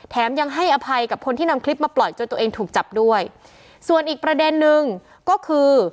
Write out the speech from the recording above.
ยังให้อภัยกับคนที่นำคลิปมาปล่อยจนตัวเองถูกจับด้วยส่วนอีกประเด็นนึงก็คือ